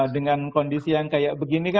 dengan kondisi yang kayak begini